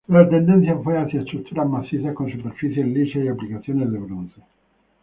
La tendencia fue hacia estructuras macizas, con superficies lisas y aplicaciones de bronce.